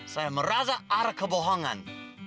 saya merasa ada kebohongan